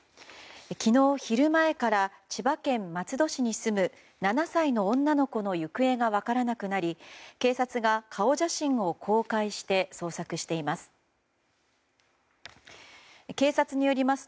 昨日昼前から千葉県松戸市に住む７歳の女の子の行方が分からなくなり警察が顔写真を公開して捜索しています。